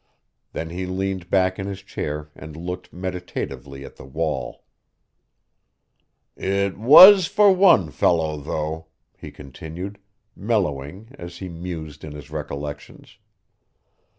Then he leaned back in his chair and looked meditatively at the wall. "It was for one fellow, though," he continued, mellowing as he mused in his recollections.